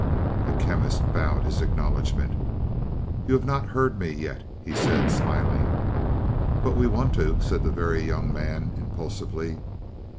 The Chemist bowed his acknowledgment. "You have not heard me yet," he said smiling. "But we want to," said the Very Young Man impulsively.